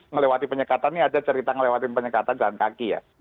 melewati penyekatan ini ada cerita ngelewatin penyekatan jalan kaki ya